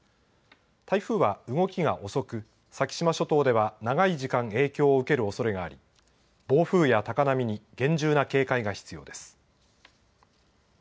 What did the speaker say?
台風は動きが遅く先島諸島では長い時間、影響を受けるおそれがあり暴風や高波に厳重な警戒が必要です。